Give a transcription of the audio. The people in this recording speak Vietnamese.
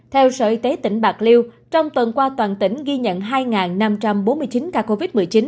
theo sở y tế tỉnh bạc liêu trong tuần qua toàn tỉnh ghi nhận hai năm trăm bốn mươi chín ca covid một mươi chín